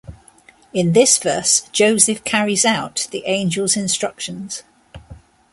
In this verse Joseph carries out the angel's instructions.